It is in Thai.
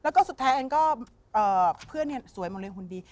แล้วก็สุดท้ายแอ้งก็เพื่อนสวยมงเรฮุนดี